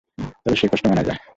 তবে সেই কষ্ট মানা যায়।